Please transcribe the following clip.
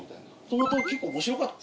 元々結構面白かった。